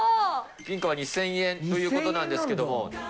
銀貨は２０００円ということなんですけれども。